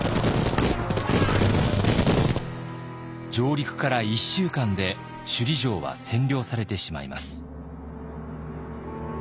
上陸から１週間で首里城は占領されてしまいます。